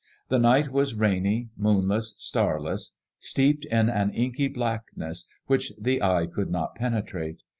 The night was rainy, moonless, starless ; steeped in an inky blackness which the eye could not penetrate.